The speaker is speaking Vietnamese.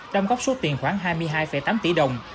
đam góp số tiền khoảng hai mươi hai tám tỷ đồng